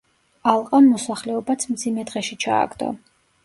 ალყამ მოსახლეობაც მძიმე დღეში ჩააგდო.